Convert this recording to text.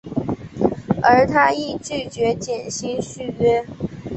而他亦拒绝减薪续约。